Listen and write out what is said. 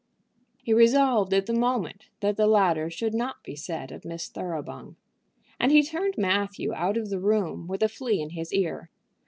He resolved at the moment that the latter should not be said of Miss Thoroughbung. And he turned Matthew out of the room with a flea in his ear.